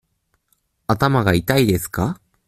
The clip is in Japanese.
頭が痛いですか。